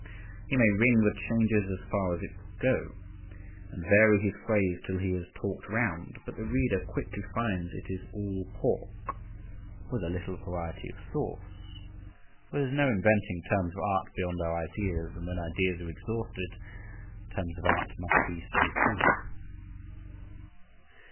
He may ring the changes as far as it will go, and vary his phrase till he has talked round, but the reader quickly finds it is all pork, {56a} with a little variety of sauce, for there is no inventing terms of art beyond our ideas, and when ideas are exhausted, terms of art must be so too.